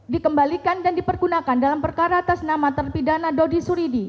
dikembalikan dan dipergunakan dalam perkara atas nama terpidana dodi suridi